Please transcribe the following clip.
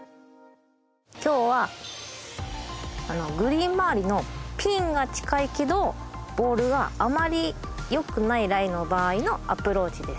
今日はグリーン周りのピンが近いけどボールがあまりよくないライの場合のアプローチです。